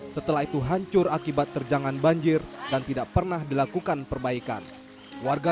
setelah itu hancur akibat terjangan banjir dan tidak pernah dilakukan perbaikan warga